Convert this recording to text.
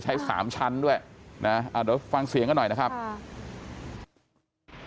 ใช้สามชั้นด้วยนะอ่าเดี๋ยวฟังเสียงกันหน่อยนะครับค่ะ